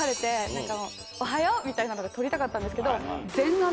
みたいなのが撮りたかったんですけど。